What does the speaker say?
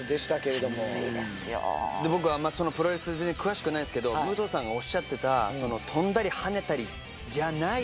僕あんまりプロレス全然詳しくないですけど武藤さんがおっしゃってた飛んだり跳ねたりじゃない